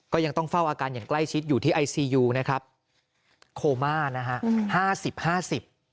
ยังต้องเฝ้าอาการอย่างใกล้ชิดอยู่ที่ไอซียูนะครับโคม่านะฮะห้าสิบห้าสิบ